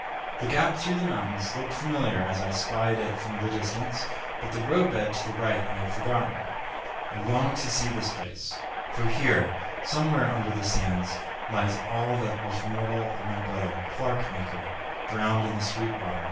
The gap through the mountains looked familiar as I spied it from the distance, but the roadbed to the right I had forgotten. I longed to see this place; for here, somewhere under the sands, lies all that was mortal of my brother, Clark Meeker, drowned in the Sweetwater in 1854.